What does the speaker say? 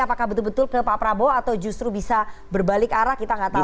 apakah betul betul ke pak prabowo atau justru bisa berbalik arah kita nggak tahu